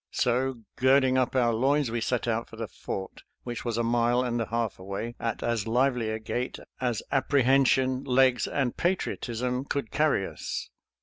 So, girding up our loins, we set out for the fort, which was a mile and a half away, at as lively a gait as appre hension, legs, and patriotism could carry us.